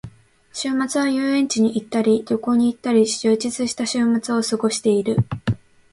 週末は遊園地に行ったり旅行に行ったり、充実した週末を過ごしている。